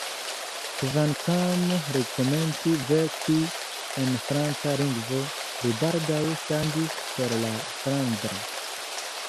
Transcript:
Kvankam li komenci verki en franca lingvo, li baldaŭ ŝanĝis por la flandra.